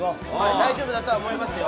大丈夫だとは思いますよ。